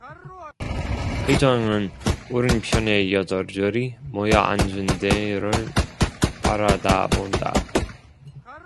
회장은 오른편에 여자들이 모여 앉은 데를 바라다본다.